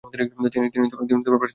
তিনি প্রাসাদে অতিবাহিত করতেন।